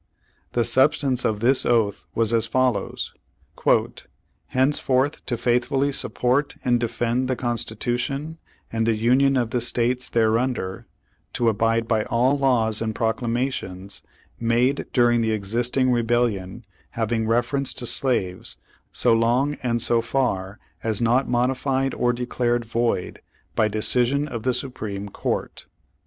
The substance of this oath was as follows: "Henceforth to faithfully support and defend the Constitution and the Union of the States there under," to abide by all laws and proclamations, "made during the existing rebellion, having reference to slaves, so long and so far as not mod ified or declared void by decision of the Supreme Court."